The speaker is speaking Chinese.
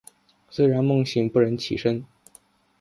虽然梦醒不忍起身